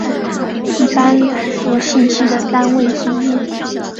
一般来说信息的单位是页。